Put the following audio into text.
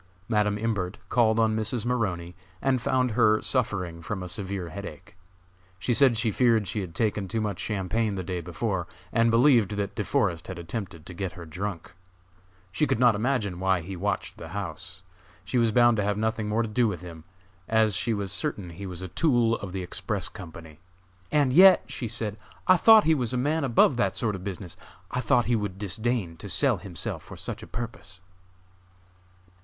Madam Imbert called on Mrs. Maroney, and found her suffering from a severe headache. She said she feared she had taken too much champagne the day before, and believed that De Forest had attempted to get her drunk. She could not imagine why he watched the house. She was bound to have nothing more to do with him, as she was certain he was a tool of the Express Company. "And yet," she said, "I thought he was a man above that sort of business! I thought he would disdain to sell himself for such a purpose."